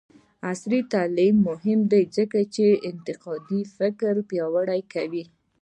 عصري تعلیم مهم دی ځکه چې انتقادي فکر پیاوړی کوي.